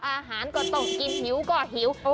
อาหารก็ต้องกินหิวก็หิว